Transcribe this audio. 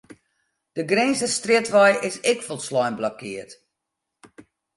De Grinzerstrjitwei is ek folslein blokkeard.